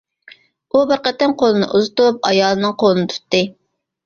ئۇ بىر قېتىم قولىنى ئۇزىتىپ ئايالىنىڭ قولىنى تۇتتى.